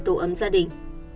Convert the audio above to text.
tổ ấm gia đình